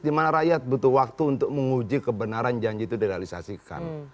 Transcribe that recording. dimana rakyat butuh waktu untuk menguji kebenaran janji itu di realisasikan